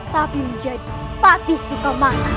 tapi menjadi pati sukamata